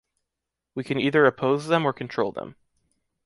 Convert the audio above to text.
We can either oppose them or control them.